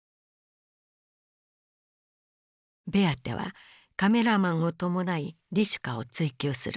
ベアテはカメラマンを伴いリシュカを追及する。